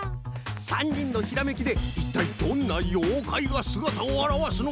３にんのひらめきでいったいどんなようかいがすがたをあらわすのか？